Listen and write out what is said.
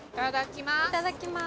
いただきます。